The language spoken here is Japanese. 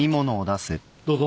どうぞ。